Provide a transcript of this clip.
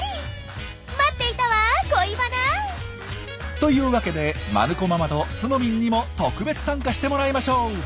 待っていたわ恋バナ！というわけでマヌ子ママとツノミンにも特別参加してもらいましょう！